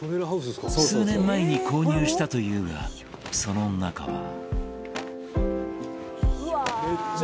数年前に購入したというがその中は。